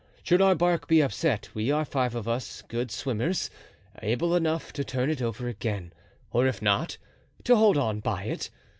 Should our bark be upset we are five of us good swimmers, able enough to turn it over again, or if not, to hold on by it.